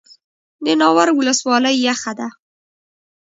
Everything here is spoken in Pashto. د ناور ولسوالۍ یخه ده